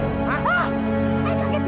hei kaget dua kalinya ayah